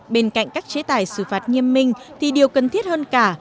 bên cạnh các chế tài xử phạt nghiêm minh thì điều cần thiết hơn cả